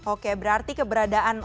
oke berarti keberadaan